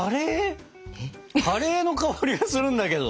カレーの香りがするんだけど？